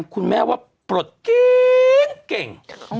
เก่ง